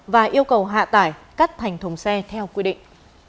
và yêu cầu hạ tải cắt thành thùng xe theo quy định